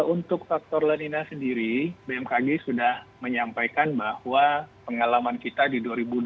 untuk faktor lanina sendiri bmkg sudah menyampaikan bahwa pengalaman kita di dua ribu dua puluh